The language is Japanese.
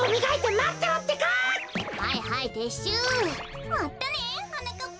まったねはなかっぱん！